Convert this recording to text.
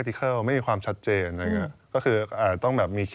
๕ปีอย่างนี้